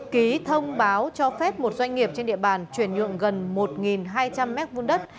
ký thông báo cho phép một doanh nghiệp trên địa bàn chuyển nhượng gần một hai trăm linh m hai đất